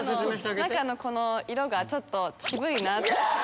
中の色がちょっと渋いなって。